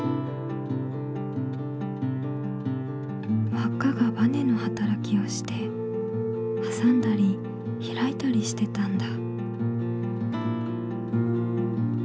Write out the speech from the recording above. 輪っかがバネのはたらきをしてはさんだりひらいたりしてたんだ。